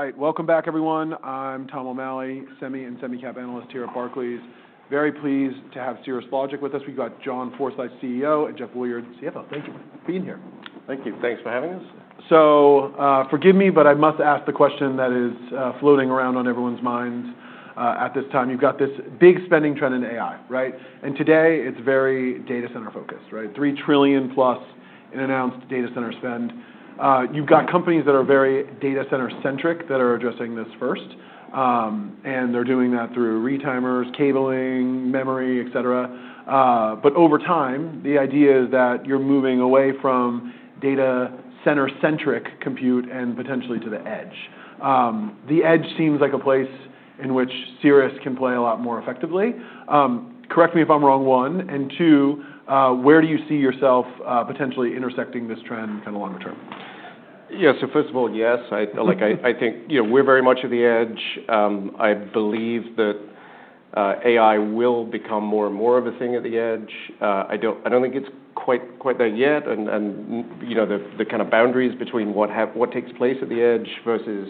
All right. Welcome back, everyone. I'm Tom O'Malley, semi and semi-cap analyst here at Barclays. Very pleased to have Cirrus Logic with us. We've got John Forsyth, CEO, and Jeff Woolard, CFO. Thank you for being here. Thank you. Thanks for having us. So, forgive me, but I must ask the question that is floating around on everyone's minds at this time. You've got this big spending trend in AI, right? And today it's very data center focused, right? $3 trillion plus in announced data center spend. You've got companies that are very data center-centric that are addressing this first. And they're doing that through retimers, cabling, memory, etc. But over time, the idea is that you're moving away from data center-centric compute and potentially to the edge. The edge seems like a place in which Cirrus can play a lot more effectively. Correct me if I'm wrong, one. And two, where do you see yourself potentially intersecting this trend kinda longer term? Yeah. So first of all, yes. I think, you know, we're very much at the edge. I believe that AI will become more and more of a thing at the edge. I don't think it's quite there yet. And you know, the kinda boundaries between what takes place at the edge versus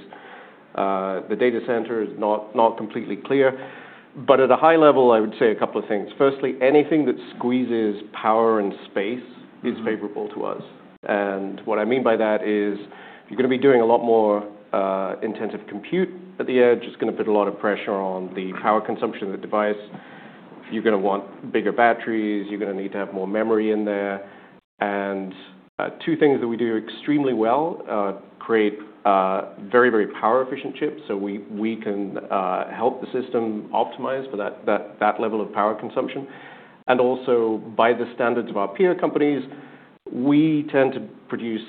the data center is not completely clear. But at a high level, I would say a couple of things. Firstly, anything that squeezes power and space is favorable to us. And what I mean by that is you're gonna be doing a lot more intensive compute at the edge. It's gonna put a lot of pressure on the power consumption of the device. You're gonna want bigger batteries. You're gonna need to have more memory in there. Two things that we do extremely well: create very, very power-efficient chips. So we can help the system optimize for that level of power consumption. Also, by the standards of our peer companies, we tend to produce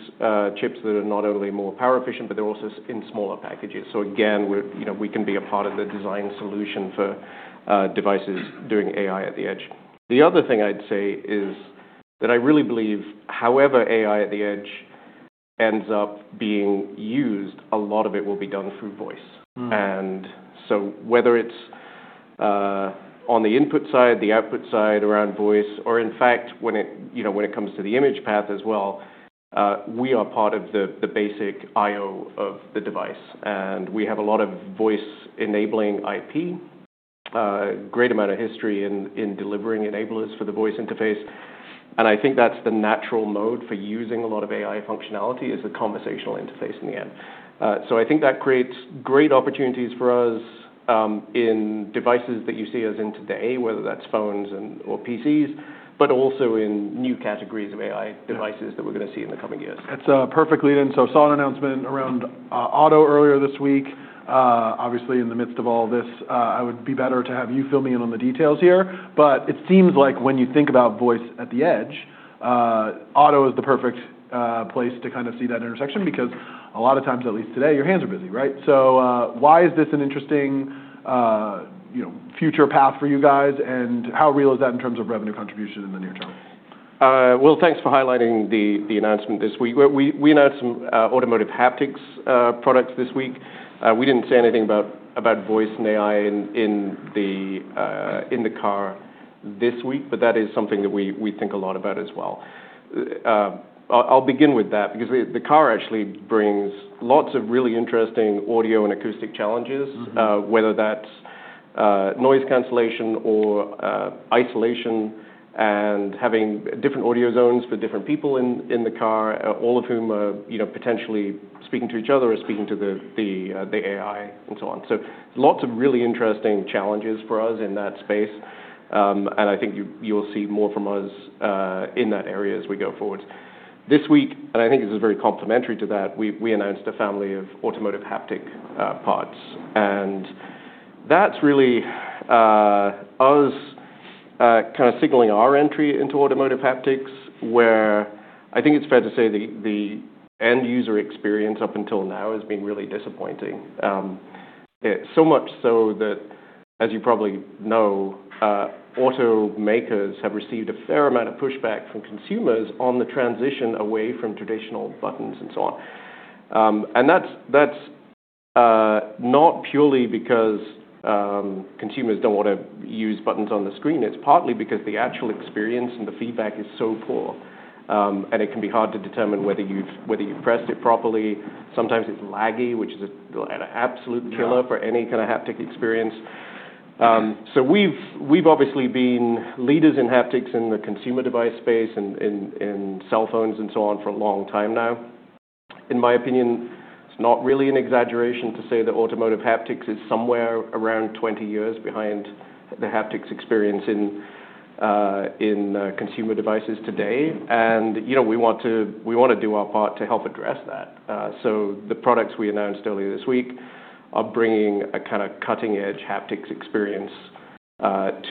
chips that are not only more power-efficient, but they're also in smaller packages. So again, we're, you know, we can be a part of the design solution for devices doing AI at the edge. The other thing I'd say is that I really believe, however AI at the edge ends up being used, a lot of it will be done through voice. Whether it's on the input side, the output side around voice, or in fact, when it, you know, when it comes to the image path as well, we are part of the basic I/O of the device. And we have a lot of voice-enabling IP, great amount of history in delivering enablers for the voice interface, and I think that's the natural mode for using a lot of AI functionality is the conversational interface in the end, so I think that creates great opportunities for us, in devices that you see as in today, whether that's phones and/or PCs, but also in new categories of AI devices that we're gonna see in the coming years. That's perfect, then. So I saw an announcement around auto earlier this week, obviously in the midst of all this. It would be better to have you fill me in on the details here. But it seems like when you think about voice at the edge, auto is the perfect place to kind of see that intersection because a lot of times, at least today, your hands are busy, right? So, why is this an interesting, you know, future path for you guys? And how real is that in terms of revenue contribution in the near term? Thanks for highlighting the announcement this week. We announced some automotive haptics products this week. We didn't say anything about voice and AI in the car this week, but that is something that we think a lot about as well. I'll begin with that because the car actually brings lots of really interesting audio and acoustic challenges. Mm-hmm. Whether that's noise cancellation or isolation and having different audio zones for different people in the car, all of whom are, you know, potentially speaking to each other or speaking to the AI and so on. So lots of really interesting challenges for us in that space, and I think you'll see more from us in that area as we go forward. This week and I think this is very complementary to that, we announced a family of automotive haptics parts. And that's really us kinda signaling our entry into automotive haptics where I think it's fair to say the end user experience up until now has been really disappointing, so much so that, as you probably know, auto makers have received a fair amount of pushback from consumers on the transition away from traditional buttons and so on. That's not purely because consumers don't wanna use buttons on the screen. It's partly because the actual experience and the feedback is so poor. It can be hard to determine whether you've pressed it properly. Sometimes it's laggy, which is an absolute killer for any kind of haptic experience. So we've obviously been leaders in haptics in the consumer device space and cell phones and so on for a long time now. In my opinion, it's not really an exaggeration to say that automotive haptics is somewhere around 20 years behind the haptics experience in consumer devices today. And, you know, we want to do our part to help address that. So the products we announced earlier this week are bringing a kind of cutting-edge haptics experience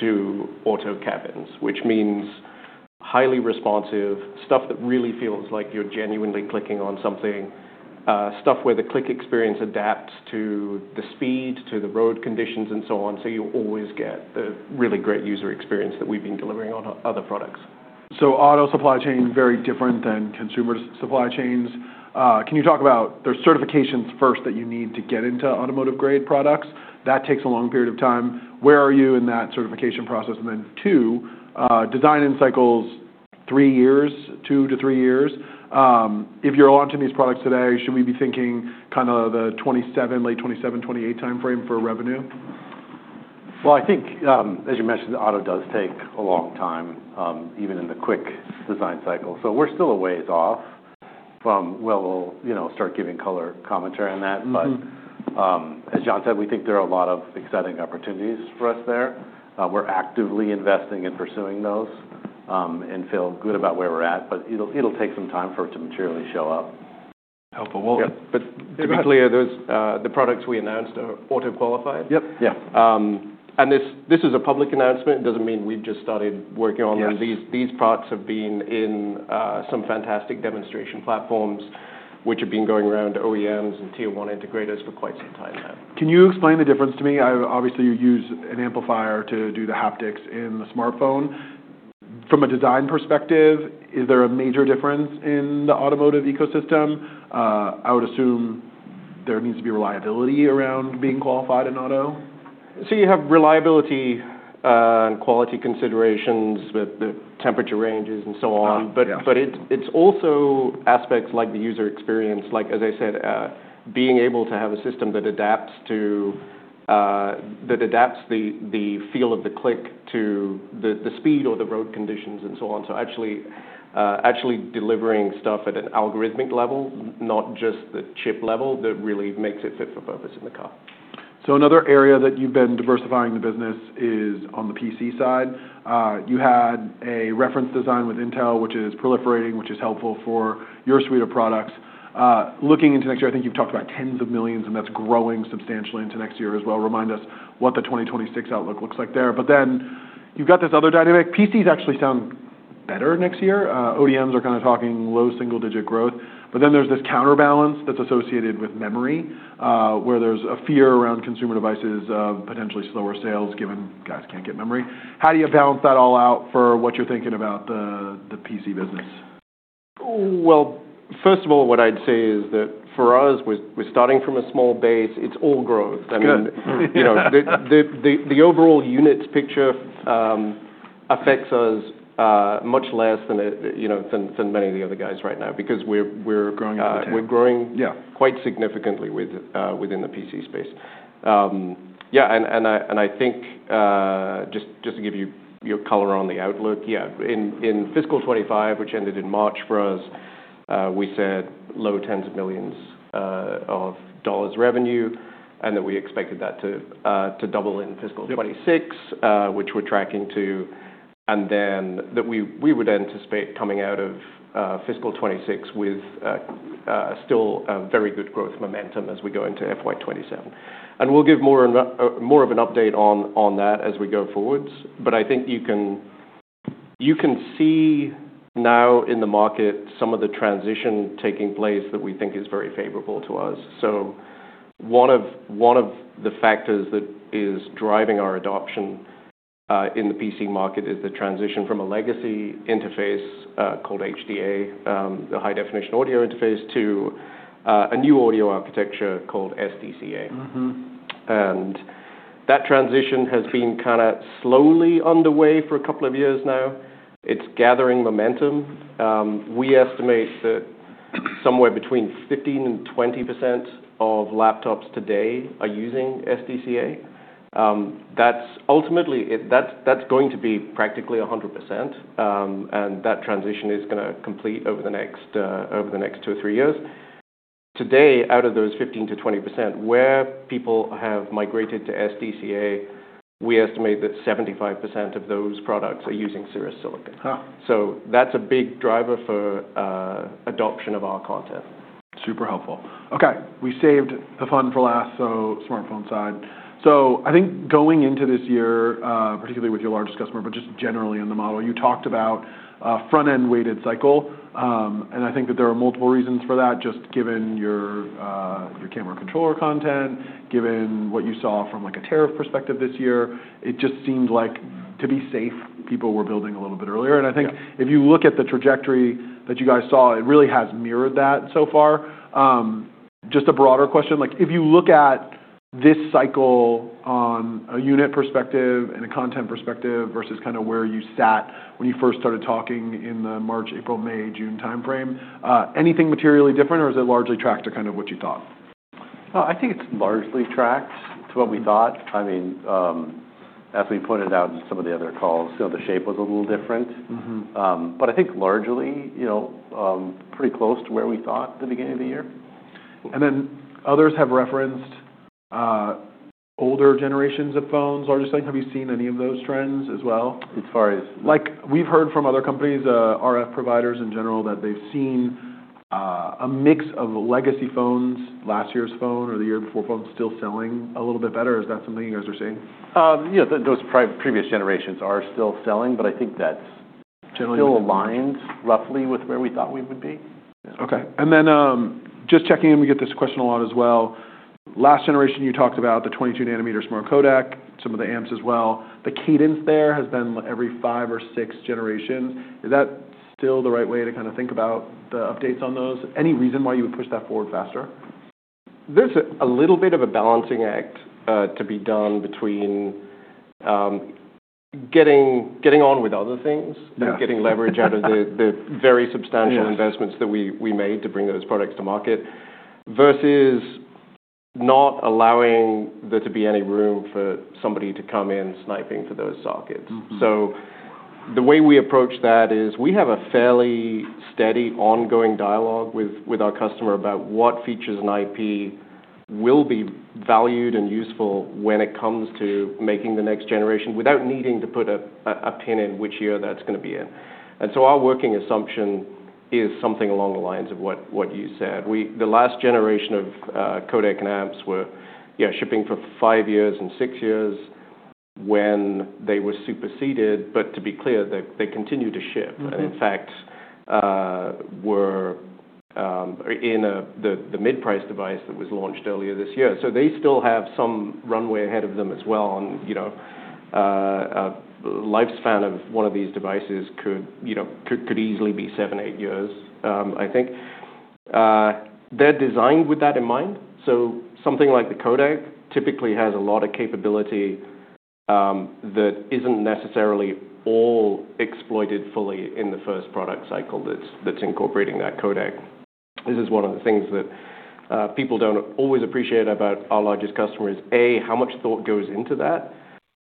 to auto cabins, which means highly-responsive stuff that really feels like you're genuinely clicking on something, stuff where the click experience adapts to the speed, to the road conditions, and so on. So you always get the really great user experience that we've been delivering on other products. So, auto supply chain, very different than consumer supply chains. Can you talk about there's certifications first that you need to get into automotive-grade products? That takes a long period of time. Where are you in that certification process? And then two, design in cycles, three years, two to three years. If you're launching these products today, should we be thinking kinda the 2027, late 2027, 2028 timeframe for revenue? I think, as you mentioned, auto does take a long time, even in the quick design cycle. We're still a ways off from where we'll, you know, start giving color commentary on that. Mm-hmm. But, as John said, we think there are a lot of exciting opportunities for us there. We're actively investing in pursuing those, and feel good about where we're at. But it'll take some time for it to materially show up. Helpful. Well. Yeah. But to be clear, those, the products we announced are auto-qualified. Yep. Yeah, And this, this is a public announcement. It doesn't mean we've just started working on them. Yep. These parts have been in some fantastic demonstration platforms which have been going around OEMs and Tier 1 integrators for quite some time now. Can you explain the difference to me? I obviously you use an amplifier to do the haptics in the smartphone. From a design perspective, is there a major difference in the automotive ecosystem? I would assume there needs to be reliability around being qualified in auto. So you have reliability, and quality considerations with the temperature ranges and so on. Yeah. But it's also aspects like the user experience. Like, as I said, being able to have a system that adapts the feel of the click to the speed or the road conditions and so on. So actually delivering stuff at an algorithmic level, not just the chip level that really makes it fit for purpose in the car. So another area that you've been diversifying the business is on the PC side. You had a reference design with Intel, which is proliferating, which is helpful for your suite of products. Looking into next year, I think you've talked about tens of millions, and that's growing substantially into next year as well. Remind us what the 2026 outlook looks like there. But then you've got this other dynamic. PCs actually sound better next year. ODMs are kinda talking low single-digit growth. But then there's this counterbalance that's associated with memory, where there's a fear around consumer devices of potentially slower sales given guys can't get memory. How do you balance that all out for what you're thinking about the PC business? First of all, what I'd say is that for us, we're starting from a small base. It's all growth. Sure. I mean, you know, the overall units picture affects us much less than it, you know, than many of the other guys right now because we're growing. Yeah. We're growing. Yeah. Quite significantly within the PC space. Yeah. I think just to give you some color on the outlook, yeah. In FY 2025, which ended in March for us, we said low tens of millions of dollars revenue and that we expected that to double in FY 2026. Yep. Which we're tracking to. Then that we would anticipate coming out of FY 2026 with still very good growth momentum as we go into FY 2027. We'll give more of an update on that as we go forward. I think you can see now in the market some of the transition taking place that we think is very favorable to us. One of the factors that is driving our adoption in the PC market is the transition from a legacy interface called HDA, the High-Definition Audio interface, to a new audio architecture called SDCA. Mm-hmm. That transition has been kind of slowly underway for a couple of years now. It's gathering momentum. We estimate that somewhere between 15%-20% of laptops today are using SDCA. That's ultimately going to be practically 100%. That transition is gonna complete over the next two or three years. Today, out of those 15%-20%, where people have migrated to SDCA, we estimate that 75% of those products are using Cirrus Silicon. Huh. So that's a big driver for adoption of our content. Super helpful. Okay. We saved the fun for last, so smartphone side. So I think going into this year, particularly with your largest customer, but just generally in the model, you talked about a front-end weighted cycle, and I think that there are multiple reasons for that, just given your camera controller content, given what you saw from like a tariff perspective this year. It just seemed like to be safe, people were building a little bit earlier. And I think if you look at the trajectory that you guys saw, it really has mirrored that so far. Just a broader question, like if you look at this cycle on a unit perspective and a content perspective versus kinda where you sat when you first started talking in the March, April, May, June timeframe, anything materially different or is it largely tracked to kind of what you thought? I think it's largely tracked to what we thought. I mean, as we pointed out in some of the other calls, you know, the shape was a little different. Mm-hmm. but I think largely, you know, pretty close to where we thought the beginning of the year. And then, others have referenced older generations of phones, or those type. Have you seen any of those trends as well? As far as? Like we've heard from other companies, RF providers in general, that they've seen a mix of legacy phones, last year's phone or the year before phone still selling a little bit better. Is that something you guys are seeing? Yeah. Those previous generations are still selling, but I think that's. Generally. Still aligned roughly with where we thought we would be. Okay, and then, just checking in, we get this question a lot as well. Last generation you talked about the 22 nm smart codec, some of the amps as well. The cadence there has been every five or six generations. Is that still the right way to kinda think about the updates on those? Any reason why you would push that forward faster? There's a little bit of a balancing act to be done between getting on with other things. Yeah. Getting leverage out of the very substantial investments that we made to bring those products to market versus not allowing there to be any room for somebody to come in sniping for those sockets. Mm-hmm. So the way we approach that is we have a fairly steady ongoing dialogue with our customer about what features and IP will be valued and useful when it comes to making the next generation without needing to put a pin in which year that's gonna be in. And so our working assumption is something along the lines of what you said. The last generation of codec and amps were shipping for five years and six years when they were superseded. But to be clear, they continue to ship. Mm-hmm. And in fact, we're in the mid-price device that was launched earlier this year. So they still have some runway ahead of them as well on, you know, the lifespan of one of these devices could, you know, easily be seven, eight years. I think they're designed with that in mind. So something like the codec typically has a lot of capability that isn't necessarily all exploited fully in the first product cycle that's incorporating that codec. This is one of the things that people don't always appreciate about our largest customer is, A, how much thought goes into that,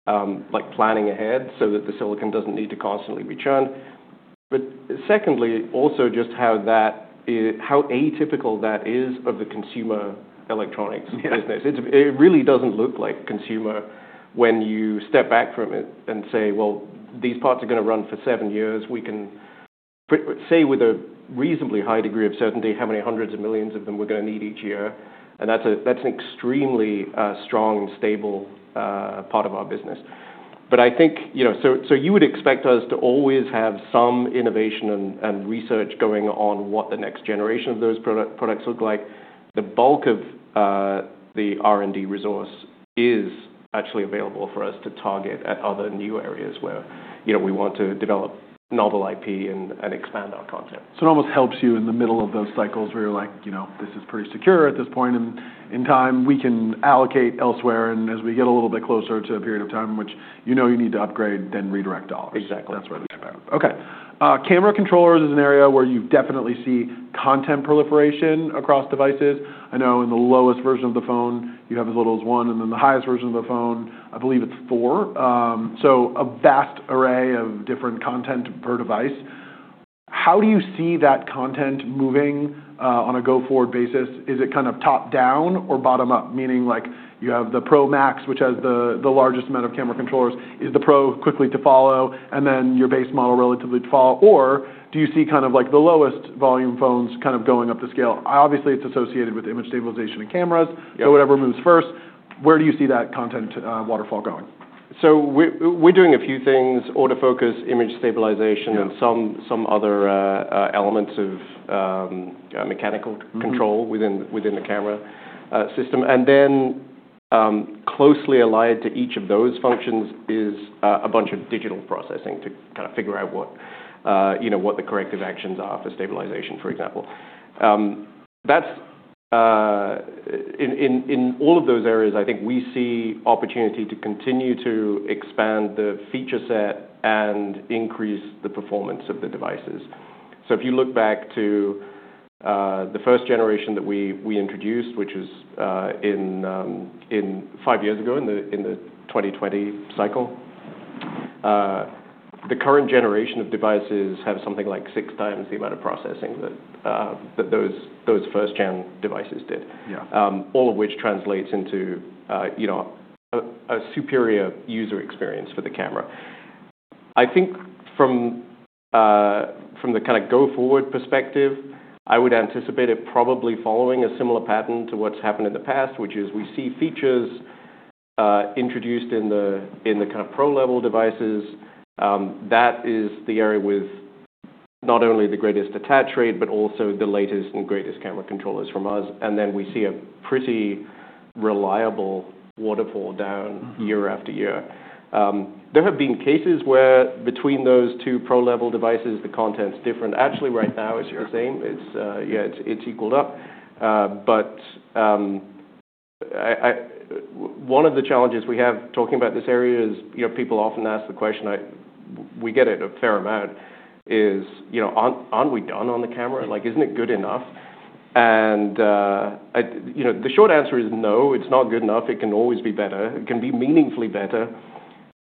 like planning ahead so that the silicon doesn't need to constantly be churned. But secondly, also just how atypical that is of the consumer electronics business. Yeah. It really doesn't look like consumer when you step back from it and say, "Well, these parts are gonna run for seven years. We can put, say, with a reasonably high degree of certainty how many hundreds of millions of them we're gonna need each year." And that's an extremely strong and stable part of our business. But I think, you know, so you would expect us to always have some innovation and research going on what the next generation of those products look like. The bulk of the R&D resource is actually available for us to target at other new areas where, you know, we want to develop novel IP and expand our content. So it almost helps you in the middle of those cycles where you're like, you know, "This is pretty secure at this point in time. We can allocate elsewhere," and as we get a little bit closer to a period of time in which you know you need to upgrade, then redirect dollars. Exactly. That's where we come out. Okay. Camera controllers is an area where you definitely see content proliferation across devices. I know in the lowest version of the phone, you have as little as one. And then the highest version of the phone, I believe it's four. So a vast array of different content per device. How do you see that content moving, on a go-forward basis? Is it kinda top-down or bottom-up? Meaning like you have the Pro Max, which has the largest amount of camera controllers. Is the Pro quickly to follow and then your base model relatively to follow? Or do you see kind of like the lowest volume phones kind of going up the scale? Obviously, it's associated with image stabilization and cameras. So whatever moves first, where do you see that content, waterfall going? We're doing a few things: auto-focus, image stabilization. And some other elements of mechanical control within the camera system. And then closely allied to each of those functions is a bunch of digital processing to kind of figure out what you know what the corrective actions are for stabilization, for example. That's in all of those areas. I think we see opportunity to continue to expand the feature set and increase the performance of the devices. So if you look back to the first generation that we introduced, which was in five years ago in the 2020 cycle, the current generation of devices have something like six times the amount of processing that those first-gen devices did. Yeah. All of which translates into, you know, a superior user experience for the camera. I think from the kinda go-forward perspective, I would anticipate it probably following a similar pattern to what's happened in the past, which is we see features introduced in the kinda pro-level devices. That is the area with not only the greatest attach rate, but also the latest and greatest camera controllers from us, and then we see a pretty reliable waterfall down. Mm-hmm. Year after year, there have been cases where between those two pro-level devices, the content's different. Actually, right now, as you're saying, it's yeah, it's equaled up, but one of the challenges we have talking about this area is, you know, people often ask the question we get a fair amount: you know, aren't we done on the camera? Like, isn't it good enough? And you know, the short answer is no, it's not good enough. It can always be better. It can be meaningfully better.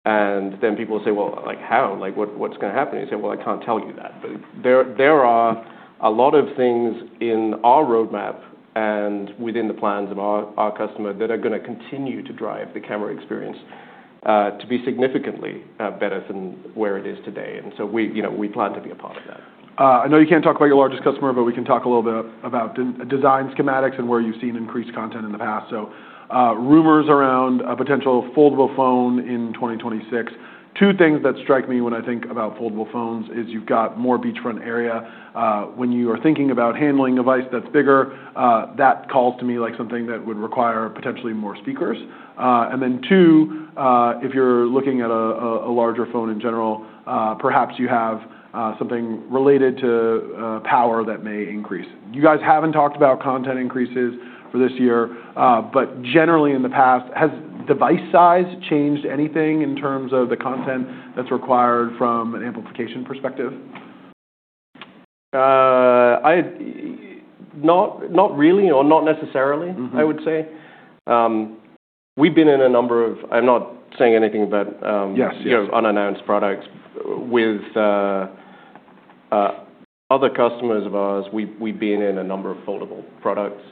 And then people say, "Well, like how? Like what, what's gonna happen?" You say, "Well, I can't tell you that," but there are a lot of things in our roadmap and within the plans of our customer that are gonna continue to drive the camera experience to be significantly better than where it is today, and so we, you know, we plan to be a part of that. I know you can't talk about your largest customer, but we can talk a little bit about design schematics and where you've seen increased content in the past, so rumors around a potential foldable phone in 2026. Two things that strike me when I think about foldable phones is you've got more beachfront area when you are thinking about handling a device that's bigger, that calls to me like something that would require potentially more speakers, and then two, if you're looking at a larger phone in general, perhaps you have something related to power that may increase. You guys haven't talked about content increases for this year, but generally in the past, has device size changed anything in terms of the content that's required from an amplification perspective? Not really, or not necessarily. Mm-hmm. I would say. We've been in a number of. I'm not saying anything about, Yes. Yes. You know, unannounced products. With other customers of ours, we've been in a number of foldable products.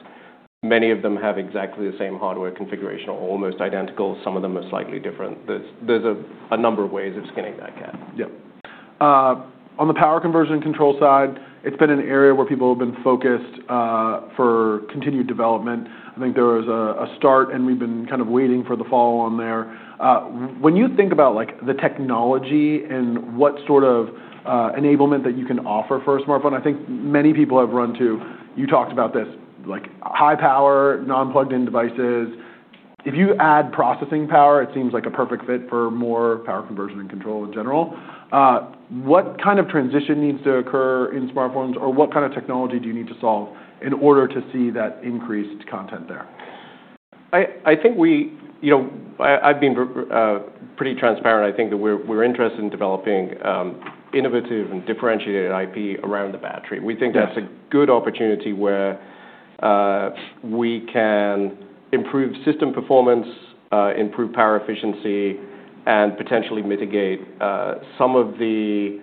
Many of them have exactly the same hardware configuration or almost identical. Some of them are slightly different. There's a number of ways of skinning that cat. Yep. On the power conversion control side, it's been an area where people have been focused for continued development. I think there was a start, and we've been kind of waiting for the fall on there. When you think about like the technology and what sort of enablement that you can offer for a smartphone, I think many people have run to. You talked about this, like high power, non-plugged-in devices. If you add processing power, it seems like a perfect fit for more power conversion and control in general. What kind of transition needs to occur in smartphones or what kind of technology do you need to solve in order to see that increased content there? I think we, you know, I've been pretty transparent. I think that we're interested in developing innovative and differentiated IP around the battery. We think that's a good opportunity where we can improve system performance, improve power efficiency, and potentially mitigate some of the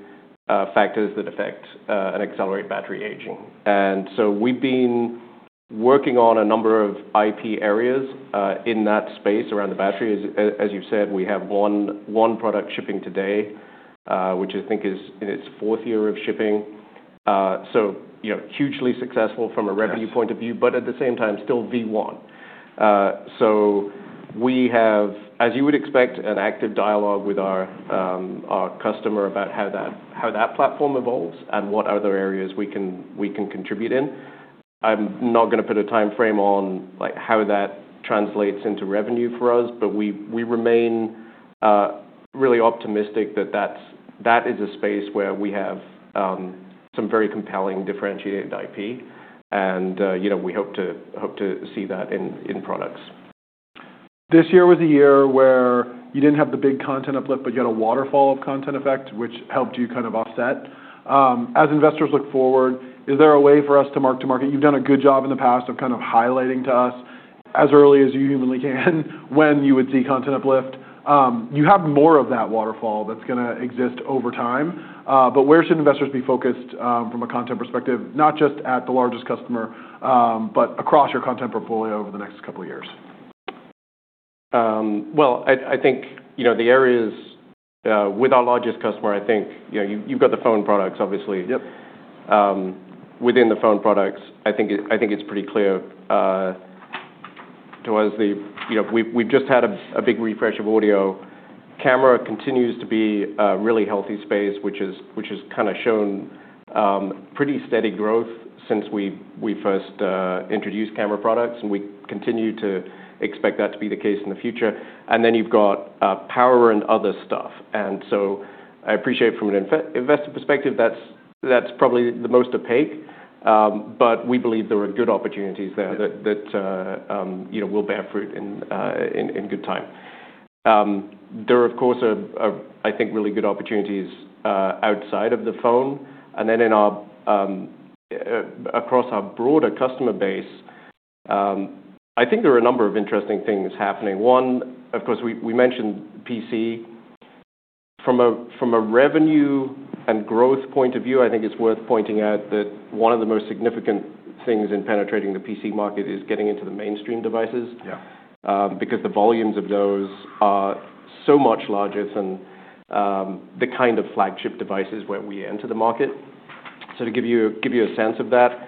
factors that affect and accelerate battery aging, and so we've been working on a number of IP areas in that space around the battery. As you've said, we have one product shipping today, which I think is in its fourth year of shipping. So, you know, hugely successful from a revenue point of view, but at the same time, still V1, so we have, as you would expect, an active dialogue with our customer about how that platform evolves and what other areas we can contribute in. I'm not gonna put a timeframe on like how that translates into revenue for us, but we remain really optimistic that that's, that is a space where we have some very compelling differentiated IP. You know, we hope to see that in products. This year was a year where you didn't have the big content uplift, but you had a waterfall of content effect, which helped you kind of offset. As investors look forward, is there a way for us to mark to market? You've done a good job in the past of kind of highlighting to us as early as you humanly can when you would see content uplift. You have more of that waterfall that's gonna exist over time, but where should investors be focused, from a content perspective, not just at the largest customer, but across your content portfolio over the next couple of years? I think, you know, the areas with our largest customer. I think, you know, you've got the phone products, obviously. Yep. Within the phone products, I think it's pretty clear to us, you know, we've just had a big refresh of audio. Camera continues to be a really healthy space, which has kinda shown pretty steady growth since we first introduced camera products, and we continue to expect that to be the case in the future, and then you've got power and other stuff. And so I appreciate from an investor perspective, that's probably the most opaque, but we believe there are good opportunities there that, you know, will bear fruit in good time. There are, of course, I think, really good opportunities outside of the phone, and then across our broader customer base, I think there are a number of interesting things happening. One, of course, we mentioned PC. From a revenue and growth point of view, I think it's worth pointing out that one of the most significant things in penetrating the PC market is getting into the mainstream devices. Yeah. Because the volumes of those are so much larger than the kind of flagship devices where we enter the market. So to give you a sense of that,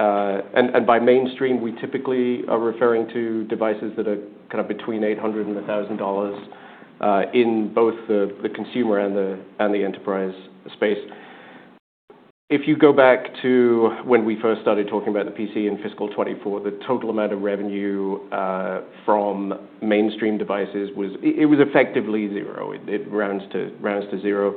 and by mainstream, we typically are referring to devices that are kinda between $800 and $1,000, in both the consumer and the enterprise space. If you go back to when we first started talking about the PC in FY 2024, the total amount of revenue from mainstream devices was effectively zero. It rounds to zero.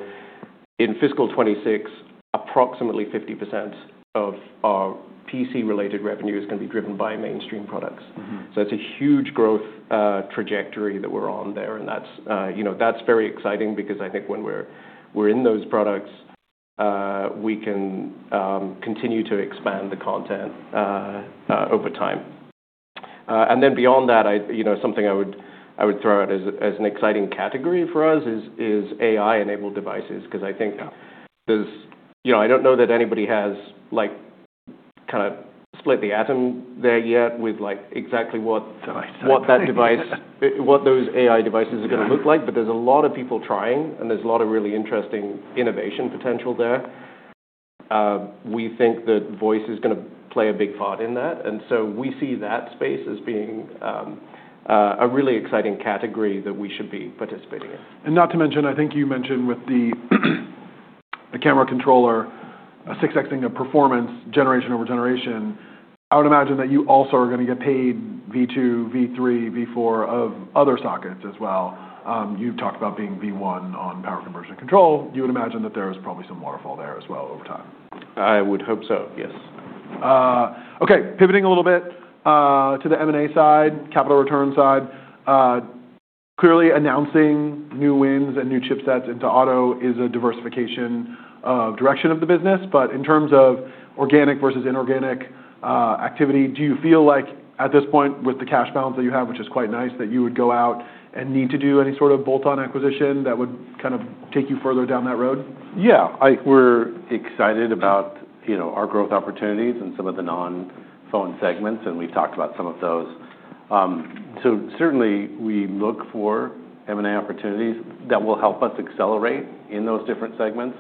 In FY 2026, approximately 50% of our PC-related revenue is gonna be driven by mainstream products. Mm-hmm. So it's a huge growth trajectory that we're on there. And that's, you know, that's very exciting because I think when we're, we're in those products, we can continue to expand the content over time. And then beyond that, I, you know, something I would, I would throw out as, as an exciting category for us is, is AI-enabled devices 'cause I think. Yeah. There's, you know, I don't know that anybody has like kinda split the atom there yet with like exactly what. Nice. What that device, what those AI devices are gonna look like. But there's a lot of people trying, and there's a lot of really interesting innovation potential there. We think that voice is gonna play a big part in that. And so we see that space as being a really exciting category that we should be participating in. And not to mention, I think you mentioned with the camera controller 6Xing the performance generation over generation. I would imagine that you also are gonna get paid V2, V3, V4 of other sockets as well. You've talked about being V1 on power conversion control. You would imagine that there's probably some waterfall there as well over time. I would hope so, yes. Okay. Pivoting a little bit to the M&A side, capital return side, clearly announcing new wins and new chipsets into auto is a diversification of direction of the business, but in terms of organic versus inorganic activity, do you feel like at this point with the cash balance that you have, which is quite nice, that you would go out and need to do any sort of bolt-on acquisition that would kind of take you further down that road? Yeah. We're excited about, you know, our growth opportunities and some of the non-phone segments, and we've talked about some of those, so certainly we look for M&A opportunities that will help us accelerate in those different segments,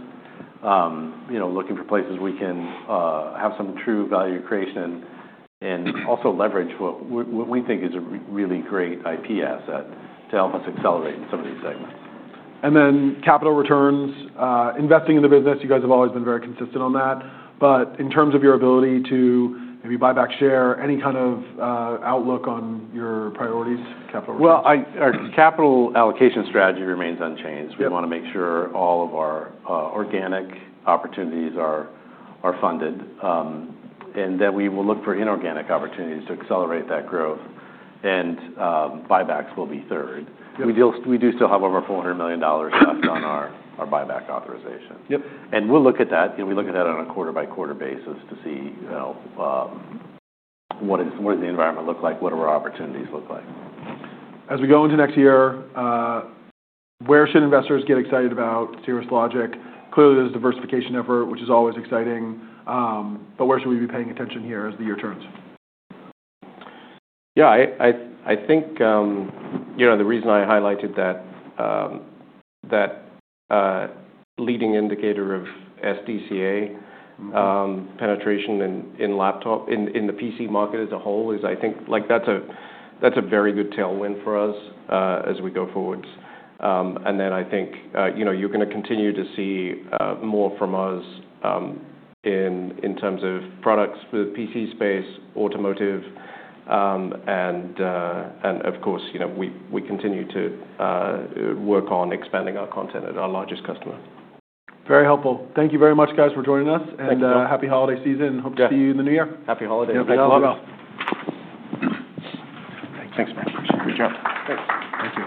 you know, looking for places we can have some true value creation and also leverage what we think is a really great IP asset to help us accelerate in some of these segments. And then capital returns, investing in the business, you guys have always been very consistent on that. But in terms of your ability to maybe buy back share, any kind of outlook on your priorities, capital? Our capital allocation strategy remains unchanged. Yeah. We wanna make sure all of our organic opportunities are funded, and that we will look for inorganic opportunities to accelerate that growth. And, buybacks will be third. Yep. We do still have over $400 million left on our buyback authorization. Yep. And we'll look at that. You know, we look at that on a quarter-by-quarter basis to see, you know, what is, what does the environment look like? What do our opportunities look like? As we go into next year, where should investors get excited about Cirrus Logic? Clearly, there's a diversification effort, which is always exciting. But where should we be paying attention here as the year turns? Yeah. I think, you know, the reason I highlighted that leading indicator of SDCA. Mm-hmm. Penetration in laptop, in the PC market as a whole is I think like that's a very good tailwind for us, as we go forwards, and then I think, you know, you're gonna continue to see more from us, in terms of products for the PC space, automotive, and of course, you know, we continue to work on expanding our content at our largest customer. Very helpful. Thank you very much, guys, for joining us. Thank you. Happy holiday season. Yep. Hope to see you in the new year. Happy holidays. Yep. Thanks a lot. Thanks, man. Appreciate it. Great job. Thank you.